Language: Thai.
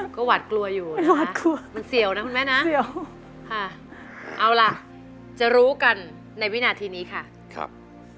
ก็หวัดกลัวอยู่นะนะมันเสี่ยวนะมันแม่น้ำค่ะเอาล่ะจะรู้กันในวินาทีนี้ค่ะพี่น้องพูมครับ